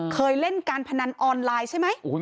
เคยเล่นการพนันออนไลน์ใช่ไหม